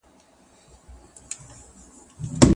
که لارښود موضوع نه پېژني، لارښوونه دې نه کوي.